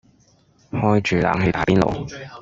開住冷氣打邊爐